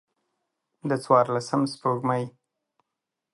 د څوارلسم سپوږمۍ